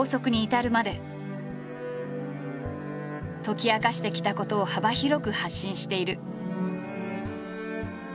解き明かしてきたことを幅広く発信している。